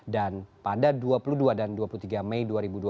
dan pada dua puluh dua dan dua puluh tiga mei dua ribu dua puluh